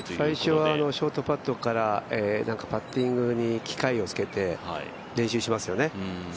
最初はショートパットからパッティングに機械をつけて練習していますよね。